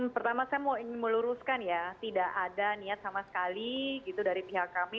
pertama saya mau ingin meluruskan ya tidak ada niat sama sekali gitu dari pihak kami